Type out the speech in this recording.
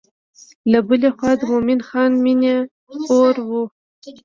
له بلې خوا د مومن خان مینې اور و.